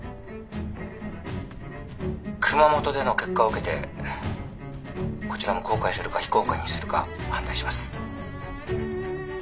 熊本での結果を受けてこちらも公開するか非公開にするか判断します。